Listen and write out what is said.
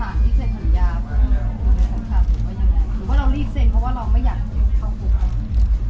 หรือว่าเรารีบเซ็นเพราะว่าเราไม่อยากเข้าฝุก